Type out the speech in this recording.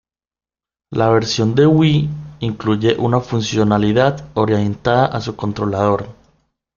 La versión de Wii incluye una funcionalidad orientada a su controlador.